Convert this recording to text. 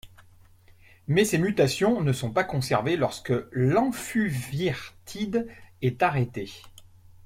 Mais ces mutations ne sont pas conservées lorsque l'enfuvirtide est arrêté.